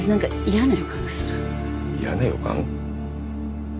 嫌な予感？